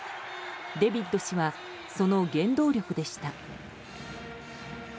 デビット氏はその原動力でした。